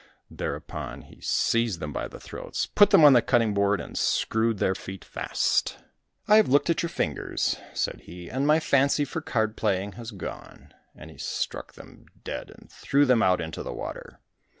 Thereupon he seized them by the throats, put them on the cutting board and screwed their feet fast. "I have looked at your fingers," said he, "and my fancy for card playing has gone," and he struck them dead and threw them out into the water.